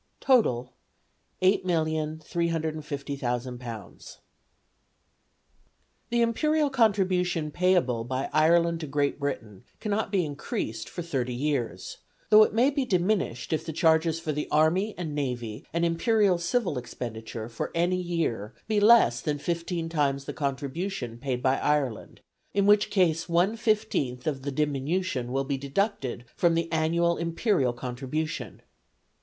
.... 404,000 £8,350,000 The Imperial contribution payable by Ireland to Great Britain cannot be increased for thirty years, though it may be diminished if the charges for the army and navy and Imperial civil expenditure for any year be less than fifteen times the contribution paid by Ireland, in which case 1/15th of the diminution will be deducted from the annual Imperial contribution.